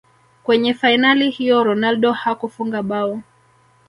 kwenye fainali hiyo ronaldo hakufunga bao